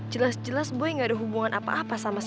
jelas jelas boy gak ada hubungan apa apa sama saya